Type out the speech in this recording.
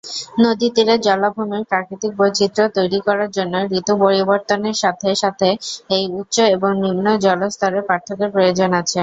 নদী তীরের জলাভূমির প্রাকৃতিক বৈচিত্র্য তৈরি করার জন্য ঋতু পরিবর্তনের সাথে সাথে এই উচ্চ এবং নিম্ন জল-স্তরের পার্থক্যের প্রয়োজন আছে।